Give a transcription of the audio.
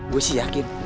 gue sih yakin